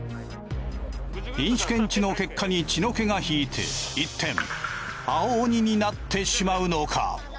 飲酒検知の結果に血の気が引いて一転青鬼になってしまうのか？